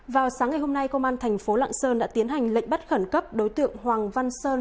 vào sáng ngày hôm nay công an thành phố lạng sơn đã tiến hành lệnh bắt khẩn cấp đối tượng hoàng văn sơn